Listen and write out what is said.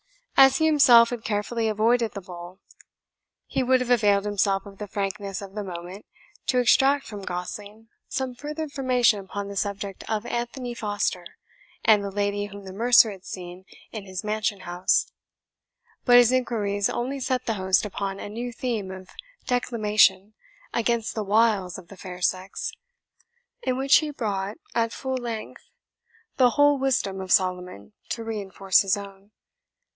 As he himself had carefully avoided the bowl, he would have availed himself of the frankness of the moment to extract from Gosling some further information upon the subject of Anthony Foster, and the lady whom the mercer had seen in his mansion house; but his inquiries only set the host upon a new theme of declamation against the wiles of the fair sex, in which he brought, at full length, the whole wisdom of Solomon to reinforce his own.